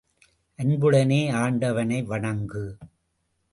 அன்புடனே ஆண்டவனை வணங்கு.